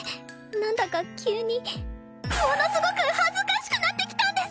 なんだか急にものすごく恥ずかしくなってきたんですが！？